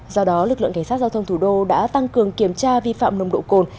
do đó lực lượng cảnh sát giao thông thủ đô đã tăng cường kiểm tra vi phạm nồng độ cồn